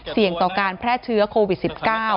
เสี่ยงต่อการแพร่เชื้อโควิด๑๙